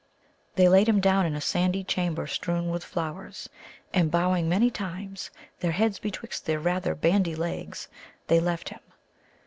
They laid him down in a sandy chamber strewn with flowers. And, bowing many times, their heads betwixt their rather bandy legs, they left him.